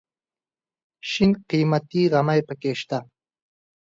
شین قیمتي غمی پکې شته.